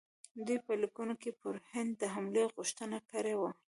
دوی په لیکونو کې پر هند د حملې غوښتنه کړې وه.